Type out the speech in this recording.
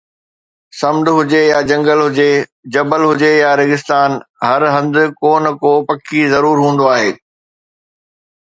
سمنڊ هجي يا جنگل هجي، جبل هجي يا ريگستان، هر هنڌ ڪو نه ڪو پکي ضرور هوندو آهي.